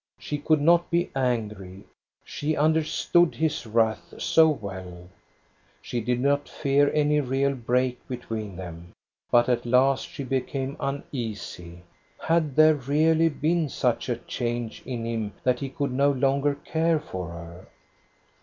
She could not be angry, she understood his wrath so well. She did not 1 64 THE STORY OF GOSTA BE RUNG fear any real break between them. But at last she became uneasy. Had there really been such a change in him that he could no longer care for her?